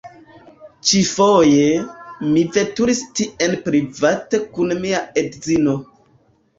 Ĉifoje, mi veturis tien private kun mia edzino.